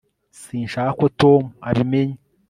sinshaka ko tom abimenya